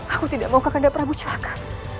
aku tidak mau kakanda prabu celaka